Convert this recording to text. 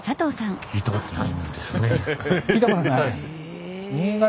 聞いたことない？